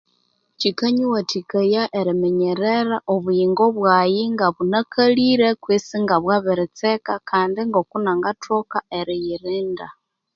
Kyikanyiwathikaya eriminyerera obuyingo bwaghe ngabunakalire kutse nga bwabiritseka kandi ngoku nangathoka eriyirinda